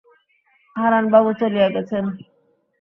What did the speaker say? হারানবাবু চলিয়া গেছেন।